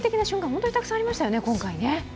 本当にたくさんあり増したよね、今回ね。